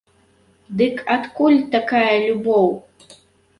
Дык адкуль такая любоў?